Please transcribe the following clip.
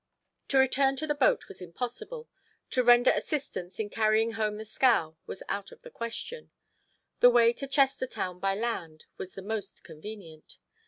To return to the boat was impossible. To render assistance in carrying home the scow was out of the question. The way to Chestertown by land was the most convenient.